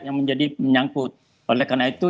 yang menjadi menyangkut oleh karena itu